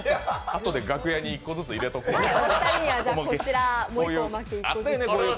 あとで楽屋に１個ずつ入れておこう。